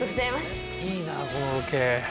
いいなあこのロケ。